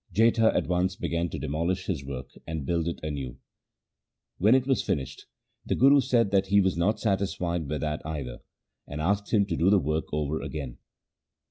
Jetha at once began to demolish his work and build it anew. When it was finished, the Guru said that he was not satisfied with that either, and asked him to do the work over again.